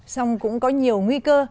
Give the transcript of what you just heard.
xong cũng có nhiều nguy cơ